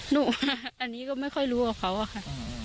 หนูว่าอันนี้ก็ไม่ค่อยรู้กับเขาอะค่ะ